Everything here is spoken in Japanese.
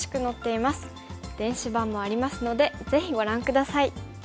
電子版もありますのでぜひご覧下さい。